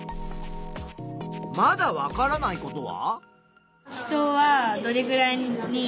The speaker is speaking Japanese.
まだわからないことは？